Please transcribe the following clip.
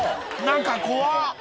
何か怖っ